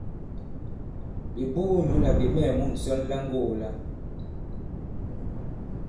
Ɓè buū nyǔ là ɓè mɛɛ̀ mu ŋsɔn la ŋgogō-la.